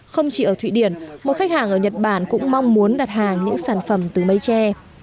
không chỉ ở thụy điển một khách hàng ở nhật bản cũng mong muốn đặt hàng những sản phẩm từ mây tre